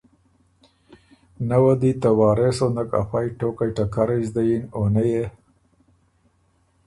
نۀ وه دی ته وارث غُندک افئ ټوقئ ټکرئ زدۀ یِن او نۀ يې